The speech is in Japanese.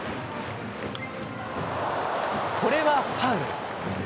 これはファウル。